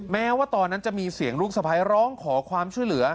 แม้ว่าตอนนั้นจะมีเสียงลูกสะพ้ายร้องขอความช่วยเหลือ